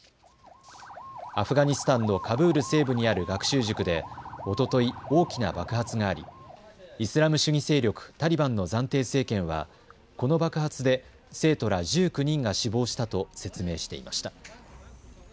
アフガニスタンのカブール西部にある学習塾でおととい、大きな爆発がありイスラム主義勢力タリバンの暫定政権はこの爆発で生徒ら１９人が死亡したと説明していました。